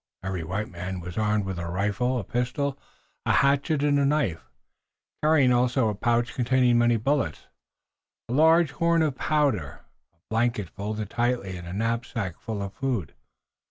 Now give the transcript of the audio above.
Every white man was armed with a rifle, a pistol, a hatchet and a knife, carrying also a pouch containing many bullets, a large horn of powder, a blanket folded tightly and a knapsack full of food.